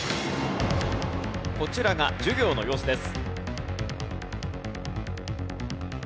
こちらが授業の様子です。